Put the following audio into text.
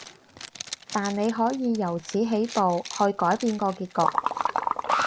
但你可以由此起步，去改變個結局